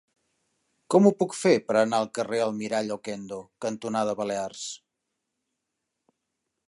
Com ho puc fer per anar al carrer Almirall Okendo cantonada Balears?